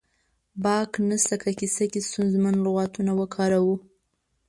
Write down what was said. باک نه شته که کیسه کې ستونزمن لغاتونه وکاروو